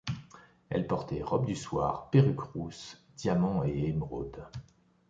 Elle portait robes du soir, perruques rousses, diamants et émeraudes.